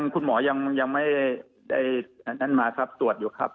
คุณหมอยังไม่ได้อันนั้นมาครับตรวจอยู่ครับ